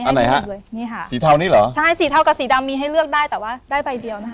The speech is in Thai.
อันไหนฮะเลยนี่ค่ะสีเทานี่เหรอใช่สีเทากับสีดำมีให้เลือกได้แต่ว่าได้ใบเดียวนะคะ